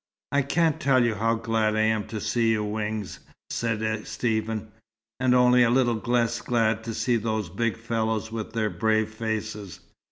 "I can't tell you how glad I am to see you, Wings," said Stephen, "and only a little less glad to see those big fellows with their brave faces."